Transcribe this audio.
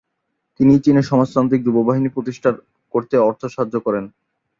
তিনিই চীনে "সমাজতান্ত্রিক যুব বাহিনী" প্রতিষ্ঠা করতে অর্থসাহায্য করেন।